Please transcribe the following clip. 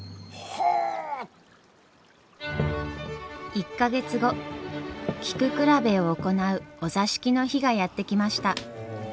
１か月後菊比べを行うお座敷の日がやって来ました。